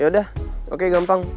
oh yaudah oke gampang